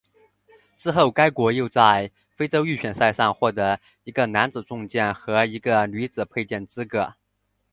之后该国又在非洲预选赛上获得一个男子重剑和一个女子佩剑资格。